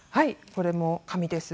これも紙です。